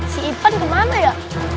si ipan kemana ya